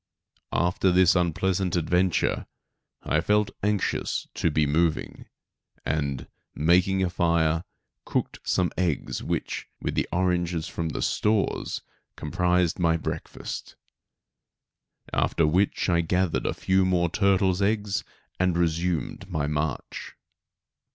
After this unpleasant adventure I felt anxious to be moving, and, making a fire, cooked some eggs which, with oranges from the stores, comprised my breakfast; after which I gathered a few more turtles' eggs, and resumed my march.